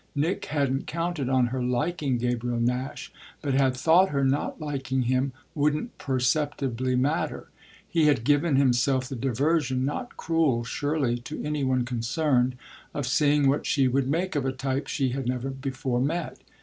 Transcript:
Nick hadn't counted on her liking Gabriel Nash, but had thought her not liking him wouldn't perceptibly matter. He had given himself the diversion, not cruel surely to any one concerned, of seeing what she would make of a type she had never before met.